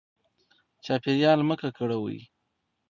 چاپیریال مه ککړوئ.